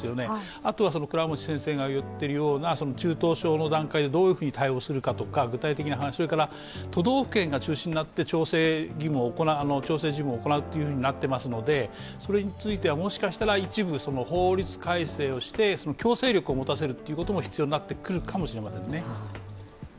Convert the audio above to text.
あとは倉持先生が言ってるような中等症の段階でどういうふうに対応するのかとか具体的な話、それから都道府県が中心となって調整事務を行うとなっていますので、それについてはもしかしたら一部法律改正をして強制力を持たせることも必要になるかもしれませんね。